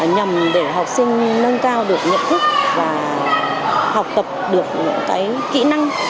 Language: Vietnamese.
nhằm để học sinh nâng cao được nhận thức và học tập được những kỹ năng